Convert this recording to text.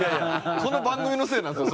この番組のせいなんですよ